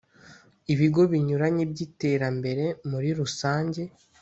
ibigo binyuranye by iterambere muri rusange